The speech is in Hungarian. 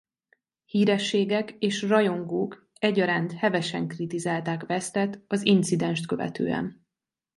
Hírességek és rajongók egyaránt hevesen kritizálták Westet az incidenst követően.